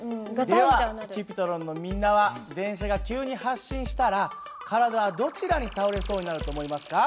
ではＣｕｐｉｔｒｏｎのみんなは電車が急に発進したら体はどちらに倒れそうになると思いますか？